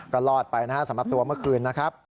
ก็รอดไปนะครับสำหรับตัวเมื่อคืนนะครับ